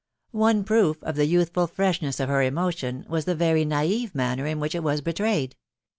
, One proof of the youthful freshness of her emotion was the very naive manner in which it was betrayed.